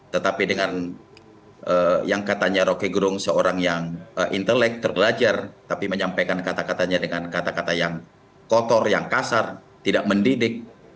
tetapi dengan yang katanya rocky gerung seorang yang intelek terbelajar tapi menyampaikan kata katanya dengan kata kata yang kotor yang kasar tidak mendidik